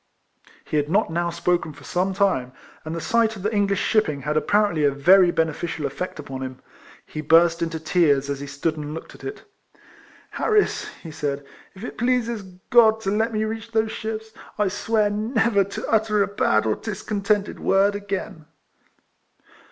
He had not now spoken for some time, and the sight of the English shipping had apparently a very beneficial effect upon him. He burst into tears as he stood and looked at it. " Harris," he said, "if it pleases God to let me reach those ships, I swear never to utter a bad or discontented word again."